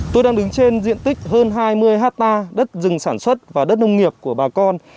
tôi đang đứng trên diện tích hơn hai mươi hectare đất rừng sản xuất và đất nông nghiệp của bà con